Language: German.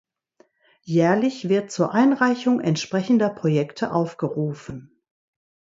Jährlich wird zur Einreichung entsprechender Projekte aufgerufen.